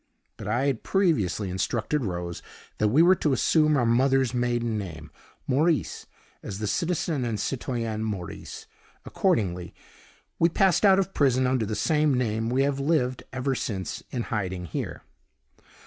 But I had previously instructed Rose that we were to assume our mother's maiden name Maurice. As the citizen and citoyenne Maurice, accordingly, we passed out of prison under the same name we have lived ever since in hiding here.